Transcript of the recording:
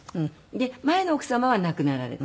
で前の奥様は亡くなられた。